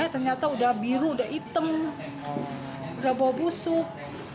ternyata udah biru udah hitam udah bau busuk